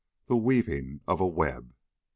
THE WEAVING OF A WEB. XII.